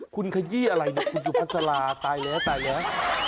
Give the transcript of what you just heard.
คุณขยี้อะไรเดี๋ยวคุณอยู่พระศราตายแล้วตายแล้ว